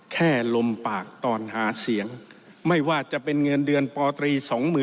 ลมปากตอนหาเสียงไม่ว่าจะเป็นเงินเดือนปตรี๒๔